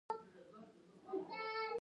دوی په دفترونو او پوهنتونونو کې دي.